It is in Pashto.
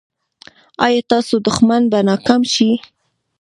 ایا ستاسو دښمن به ناکام شي؟